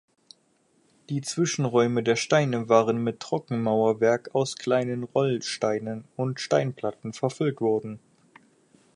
Die Zwischenräume der Steine waren mit Trockenmauerwerk aus kleinen Rollsteinen und Steinplatten verfüllt worden.